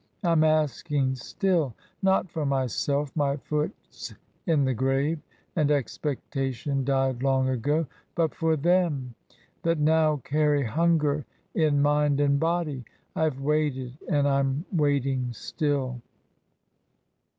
Fm asking still. Not for myself — my foot's i* the grave; and expectation died long ago. But for them that now carry hunger in mind and body. I have waited, and I'm waiting still."